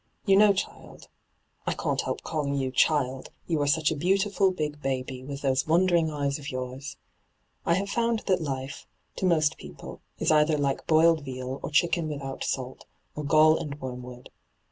You know, child — I can't help calling you " child," you are such a beautiftil big baby, with those wondering eyes of yours — I have found that life, to most people, is either like boiled veal or chicken without salt, or gall and wormwood.